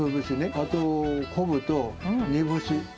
あと昆布と煮干し。